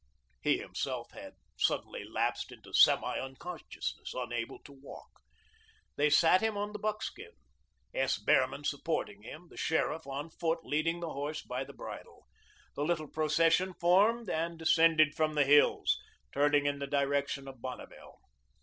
He himself had suddenly lapsed into semi unconsciousness, unable to walk. They sat him on the buckskin, S. Behrman supporting him, the sheriff, on foot, leading the horse by the bridle. The little procession formed, and descended from the hills, turning in the direction of Bonneville.